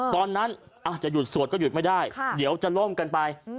ตอนนั้นจะหยุดสวดก็หยุดไม่ได้เดี๋ยวจะล่มกันไป